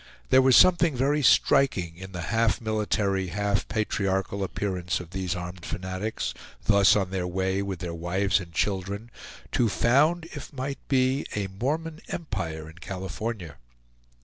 There was something very striking in the half military, half patriarchal appearance of these armed fanatics, thus on their way with their wives and children, to found, if might be, a Mormon empire in California.